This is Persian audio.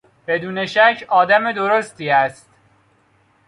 بدون شک آدم درستی است.